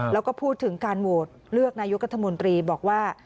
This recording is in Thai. แล้วก็พูดถึงการโหวตเลือกนายกรัฐมนตรีบอกว่า